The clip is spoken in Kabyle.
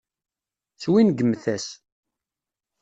Swingmet-as.